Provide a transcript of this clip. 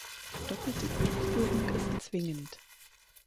Doppelte Buchführung ist zwingend.